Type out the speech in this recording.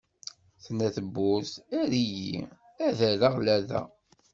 Tenna tebburt: err-iyi, ad rreɣ lada!